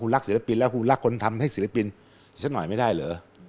รักศิลปินแล้วคุณรักคนทำให้ศิลปินอีกสักหน่อยไม่ได้เหรอ